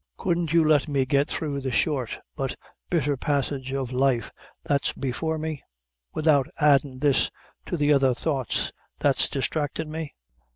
Couldn't you let me get through the short but bitther passage of life that's before me, without addin' this to the other thoughts that's distractin' me?"